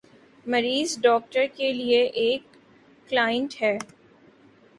مریض ڈاکٹر کے لیے ایک "کلائنٹ" ہے۔